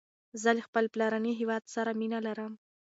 زه له خپل پلارنی هیواد سره مینه لرم